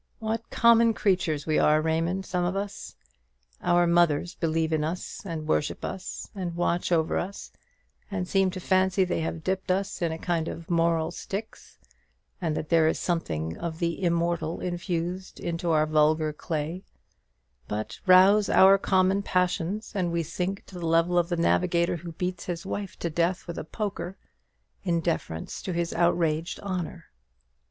What common creatures we are, Raymond, some of us! Our mothers believe in us, and worship us, and watch over us, and seem to fancy they have dipped us in a kind of moral Styx, and that there is something of the immortal infused into our vulgar clay; but rouse our common passions, and we sink to the level of the navigator who beats his wife to death with a poker in defence of his outraged honour.